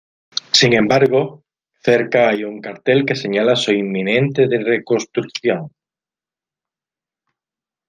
Sin embargo, cerca hay un cartel que señala su inminente reconstrucción.